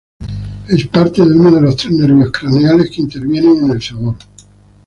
Es parte de uno de los tres nervios craneales que intervienen en el sabor.